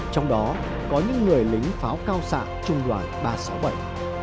trong đó có những người lính pháo cao xạ trung đoàn ba trăm sáu mươi bảy